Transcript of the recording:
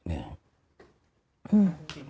อืม